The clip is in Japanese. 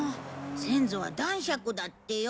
先祖は男爵だってよ。